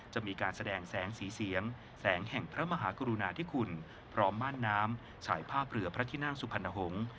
จะมีการแสดงแสงสีเสียงแสงแห่งพระมหากรุณาธิคุณพร้อมม่านน้ำฉายภาพเรือพระที่นั่งสุพรรณหงษ์